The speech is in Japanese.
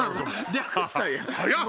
略したんや。